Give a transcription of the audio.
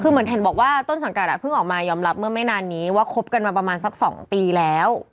คือเหมือนเห็นบอกว่าต้นสังกัดเพิ่งออกมายอมรับเมื่อไม่นานนี้ว่าคบกันมาประมาณสัก๒ปีแล้ว